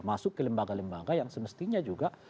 masuk ke lembaga lembaga yang semestinya juga